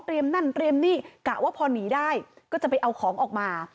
นั่นเตรียมนี่กะว่าพอหนีได้ก็จะไปเอาของออกมา